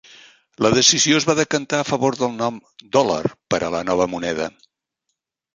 La decisió es va decantar a favor del nom "dòlar" per a la nova moneda.